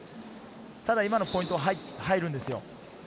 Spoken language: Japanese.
ただ、今のポイントは入るんですよ。